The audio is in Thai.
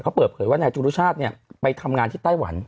เขาเปิดเผยว่านายจรุชาติไปทำงานที่ไต้หวัน